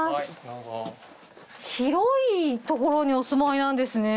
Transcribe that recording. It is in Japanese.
広い所にお住まいなんですね。